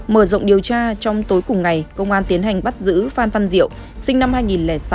mở rộng điều tra trong tối cùng ngày công an tiến hành bắt giữ phan văn diệu sinh năm hai nghìn sáu